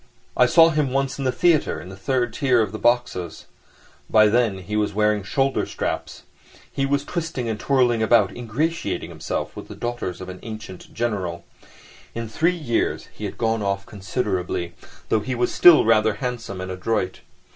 I saw him once in the theatre, in the third tier of boxes. By then he was wearing shoulder straps. He was twisting and twirling about, ingratiating himself with the daughters of an ancient General. In three years he had gone off considerably, though he was still rather handsome and adroit.